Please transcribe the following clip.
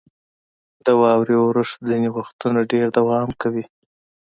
• د واورې اورښت ځینې وخت ډېر دوام کوي.